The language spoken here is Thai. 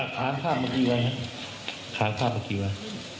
ข้างภาพเมื่อกี้ไว้นะข้างภาพเมื่อกี้ไว้